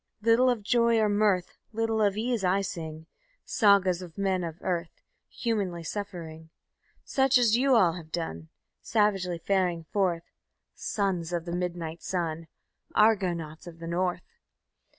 _ Little of joy or mirth, Little of ease I sing; Sagas of men of earth Humanly suffering, _Such as you all have done; Savagely faring forth, Sons of the midnight sun, Argonauts of the North.